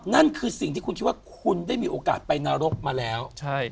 นั่นคือสิ่งที่คุณคิดว่าคุณได้มีโอกาสไปนรกมาแล้ว